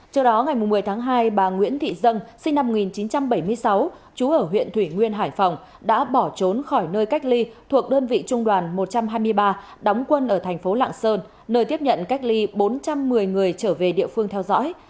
trước đó ngày một mươi tháng hai bà nguyễn thị dân sinh năm một nghìn chín trăm bảy mươi sáu chú ở huyện thủy nguyên hải phòng đã bỏ trốn khỏi nơi cách ly thuộc đơn vị trung đoàn một trăm hai mươi ba đóng quân ở thành phố lạng sơn nơi tiếp nhận cách ly bốn trăm một mươi người trở về địa phương theo dõi